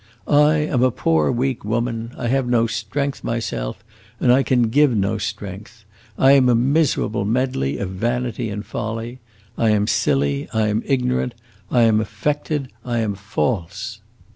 I am a poor, weak woman; I have no strength myself, and I can give no strength. I am a miserable medley of vanity and folly. I am silly, I am ignorant, I am affected, I am false.